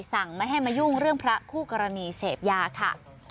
สั่งไม่ให้มายุ่งเรื่องพระคู่กรณีเสพยาค่ะ